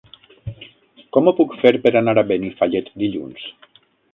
Com ho puc fer per anar a Benifallet dilluns?